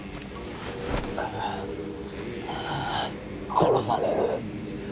殺される。